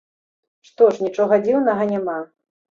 Што ж, нічога дзіўнага няма.